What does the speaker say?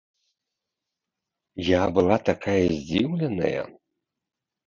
Я была такая здзіўленая.